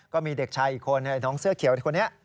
ก็มีเด็กชายอีกคนน้องเสื้อเขียวคนนี้